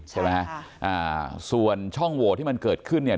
ใช่ค่ะส่วนช่องโวที่มันเกิดขึ้นเนี่ย